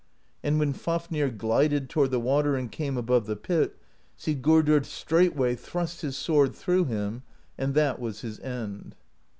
And when Fafnir glided toward the water and came above the pit, Sigurdr straightway thrust his sword through him, and that was his end.